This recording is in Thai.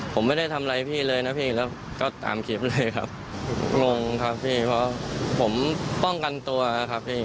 ผมไม่น่าจะเหลือครับพี่